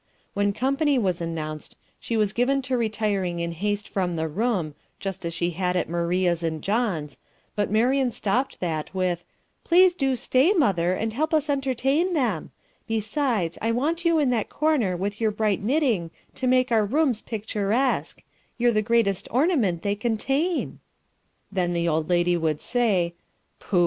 When company was announced she was given to retiring in haste from the room, just as she did at Maria's and John's, but Marian stopped that with "Please do stay, mother, and help us entertain them; besides, I want you in that corner with your bright knitting to make our rooms picturesque; you're the greatest ornament they contain." Then the old lady would say, "Pooh!